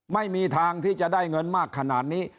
ไม่มีทางที่จะได้เงินมากขนาดนี้